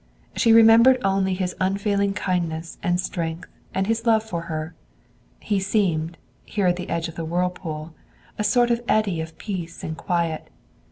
She remembered only his unfailing kindness and strength and his love for her. He seemed, here at the edge of the whirlpool, a sort of eddy of peace and quiet.